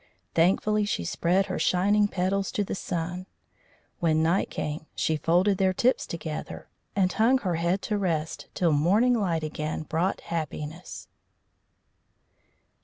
Thankfully she spread her shining petals to the sun. When night came she folded their tips together, and hung her head, to rest till morning light again brought happiness.